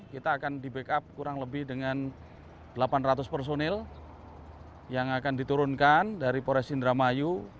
kita akan di backup kurang lebih dengan delapan ratus personil yang akan diturunkan dari pores indramayu